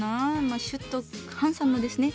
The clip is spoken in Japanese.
まあシュッとハンサムですね。